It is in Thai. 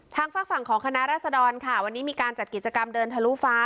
ฝากฝั่งของคณะรัศดรค่ะวันนี้มีการจัดกิจกรรมเดินทะลุฟ้า